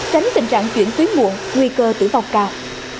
tránh tình trạng chuyển tuyến muộn nguy cơ tử vong cao